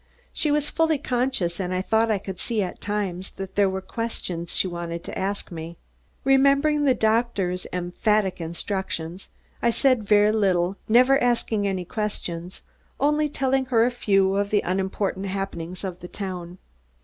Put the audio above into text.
She was fully conscious and I thought I could see at times that there were questions she wanted to ask me. Remembering the doctor's emphatic instructions, I said very little, never asking any questions, only telling her a few of the unimportant happenings of the town.